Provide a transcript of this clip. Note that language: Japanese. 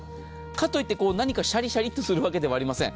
かといってシャリシャリするわけではありません。